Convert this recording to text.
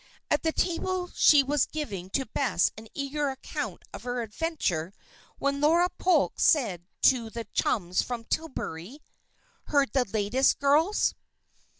At the table she was giving to Bess an eager account of her adventure when Laura Polk said to the chums from Tillbury: "Heard the latest, girls?"